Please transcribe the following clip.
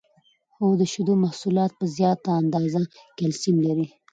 هو د شیدو محصولات په زیاته اندازه کلسیم لري